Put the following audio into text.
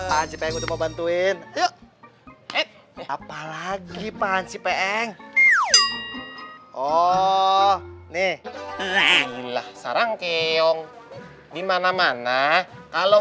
pak cipeng mau bantuin yuk eh apalagi pak cipeng oh nih sarang keong dimana mana kalau